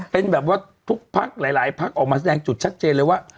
เป็นแบบว่าทุกพักหลายพักออกมาแสดงจุดชัดเจนเลยว่า